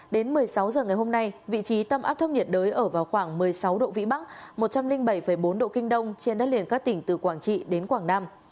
đến một mươi sáu h ngày hôm nay vị trí tâm áp thấp nhiệt đới ở vào khoảng một mươi sáu độ vĩ bắc một trăm linh bảy bốn độ kinh đông trên đất liền các tỉnh từ quảng trị đến quảng nam